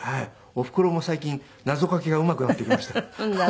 おふくろも最近謎かけがうまくなってきました。